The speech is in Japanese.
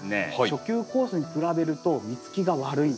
初級コースに比べると実つきが悪い。